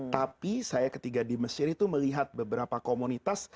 tapi saya ketika di mesir itu melihat beberapa komunitas